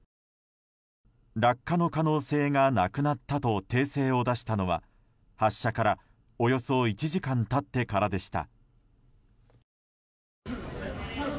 落下の可能性がなくなったと訂正を出したのは発射からおよそ１時間経ってからでした。